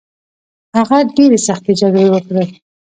هغه ډیرې سختې جګړې وکړې